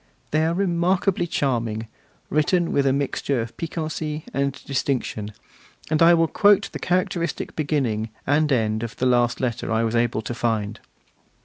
They are remarkably charming, written with a mixture of piquancy and distinction; and I will quote the characteristic beginning and end of the last letter I was able to find.